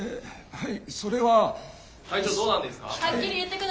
はい！